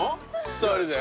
２人で？